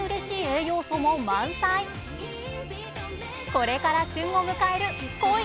これから旬を迎える「コイ」。